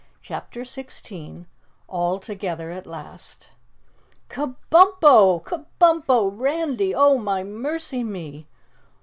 CHAPTER 16 All Together at Last "KABUMPO! Kabumpo! Randy! Oh, my mercy me!"